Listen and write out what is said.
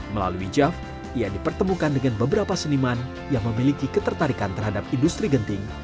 melalui jav ia dipertemukan dengan beberapa seniman yang memiliki ketertarikan terhadap industri genting